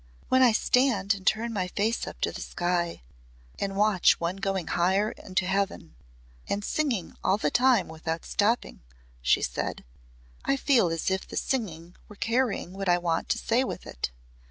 "When I stand and turn my face up to the sky and watch one going higher into heaven and singing all the time without stopping," she said, "I feel as if the singing were carrying what I want to say with it.